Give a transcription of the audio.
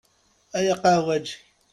A yaqahwaǧi!